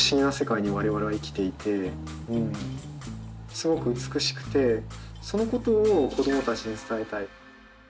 すごく美しくてそのことを子どもたちに伝えたい。